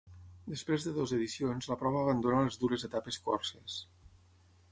Després de dues edicions la prova abandona les dures etapes corses.